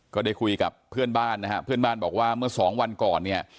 ก็ได้คุยกับเพื่อนบ้านนะฮะเพื่อนบ้านบอกว่าเมื่อสองวันก่อนเนี่ย